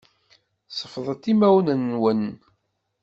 Sefḍet imawen-nwen.